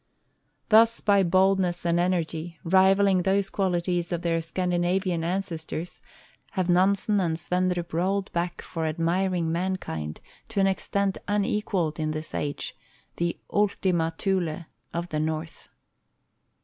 Thus by boldness and energy, rivaling those qualities of their Scandinavian ancestors, have Nansen and Svendruj) rolled back for admiring mankind, to an extent unequaled in this age, the Ultima Thule of the North.